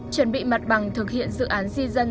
chuẩn bị mặt bằng thực hiện dự án di dân